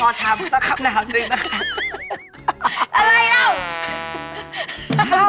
ขอถามข้างหน้าหนึ่งนะครับ